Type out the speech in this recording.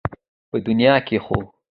په دنيا کې خو